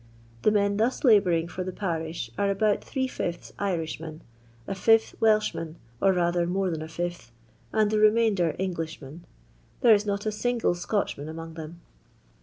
The men thus labouring for the parish are about three fifths Irishmen, a fif^h Welchmen, or rather more than a fifth, and the remainder Englishmen. There is not a single Scotchman among them.